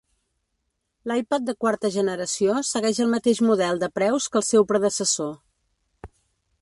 L'iPad de quarta generació segueix el mateix model de preus que el seu predecessor.